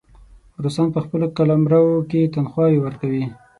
روسان په خپل قلمرو کې تنخواوې ورکوي.